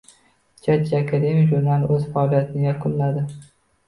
– «Jajji akademik» jurnali o‘z faoliyatini yakunladi.